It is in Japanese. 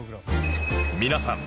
皆さん